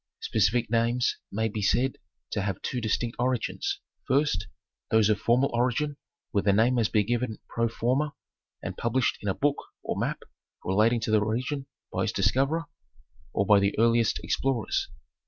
Specific names may be said to have two distinct origins, first, those of formal origin where the name has been given pro forma and published in a book or map relating to the region by its discoverer, or by the earliest ex plorers.